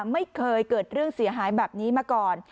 ไม่เคยเกิดเรื่องเสียหายแบบนี้มาก่อน